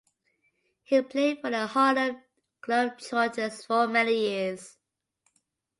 He played for the Harlem Globetrotters for many years.